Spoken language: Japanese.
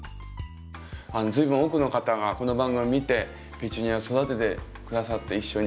随分多くの方がこの番組を見てペチュニア育てて下さって一緒に。